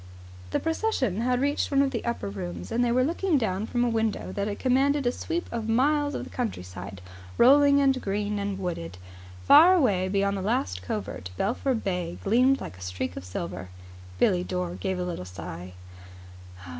The procession had reached one of the upper rooms, and they were looking down from a window that commanded a sweep of miles of the countryside, rolling and green and wooded. Far away beyond the last covert Belpher Bay gleamed like a streak of silver. Billie Dore gave a little sigh.